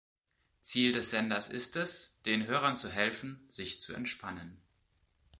Ziel des Senders ist es, den Hörern zu helfen, sich zu entspannen.